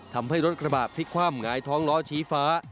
ทำให้รถกระบะพลิกคว่ำหงายท้องล้อชี้ฟ้า